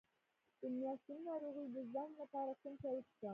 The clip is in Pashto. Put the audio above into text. د میاشتنۍ ناروغۍ د ځنډ لپاره کوم چای وڅښم؟